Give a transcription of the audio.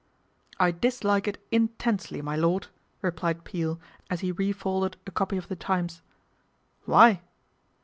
1 I dislike it intensely, my lord," replied Peel as he refolded a copy of The Times. " Why